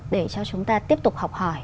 để cho chúng ta tiếp tục học hỏi